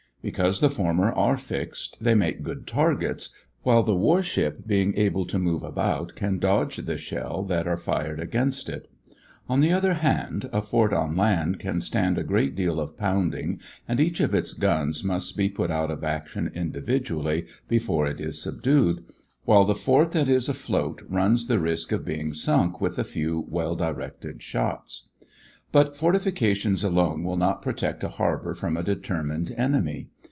Because the former are fixed they make good targets, while the war ship, being able to move about, can dodge the shell that are fired against it. On the other hand, a fort on land can stand a great deal of pounding and each of its guns must be put out of action individually, before it is subdued, while the fort that is afloat runs the risk of being sunk with a few well directed shots. But fortifications alone will not protect a harbor from a determined enemy.